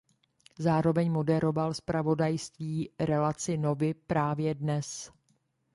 Zároveň moderoval zpravodajskou relaci Novy Právě dnes.